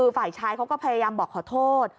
พายใช้ก็กำลังพยายามบอกขอโทษ